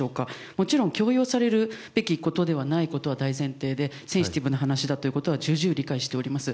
もちろん強要されるべきでないことであることは大前提で、センシティブな話だということは重々理解しております。